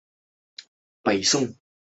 马修的孪生哥哥。